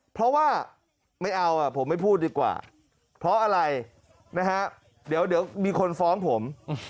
เพราะว่าไม่เอาผมไม่พูดดีกว่าเพราะอะไรนะฮะเดี๋ยวมีคนฟ้องผม